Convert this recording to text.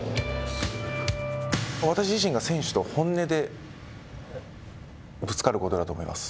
私自身が選手と本音でぶつかることだと思います。